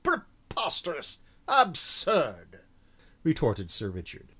Preposterous absurd!" retorted Sir Richard.